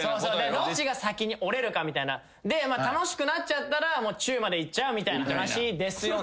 どっちが先に折れるかみたいなで楽しくなっちゃったらチューまでいっちゃうみたいな話ですよね。